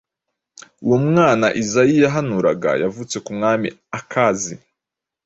Uwo mwana Izayi yahanuraga yavutse ku mwami Akhazi,